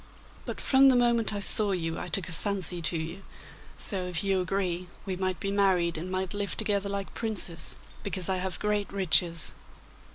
But from the moment I saw you I took a fancy to you, so if you agree, we might be married and might live together like princes, because I have great riches.